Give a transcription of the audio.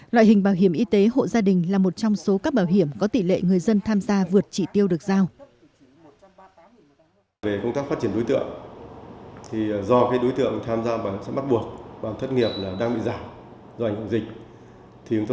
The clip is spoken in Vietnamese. loại hình bảo hiểm y tế hộ gia đình là một trong số các bảo hiểm có tỷ lệ người dân tham gia vượt chỉ tiêu được giao